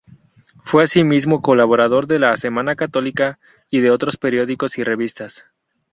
Fue asimismo colaborador de "La Semana Católica" y de otros periódicos y revistas.